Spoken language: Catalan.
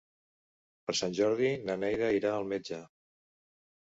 Per Sant Jordi na Neida irà al metge.